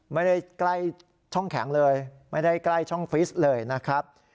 ไม่ได้ใกล้ช่องแข็งเลยไม่ได้ใกล้ช่องฟิสเลยนะครับ